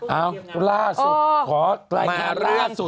เอ้าล่าสุดขอไกลขึ้นล่าสุด